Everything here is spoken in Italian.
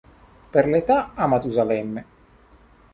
Per l'età, a Matusalemme.